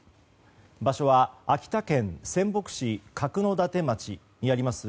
場所は秋田県仙北市角館町にあります